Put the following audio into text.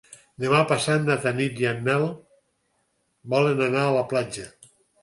Demà passat na Tanit i en Nel volen anar a la platja.